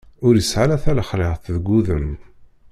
Ur isɛa ara talexliɛt deg udem.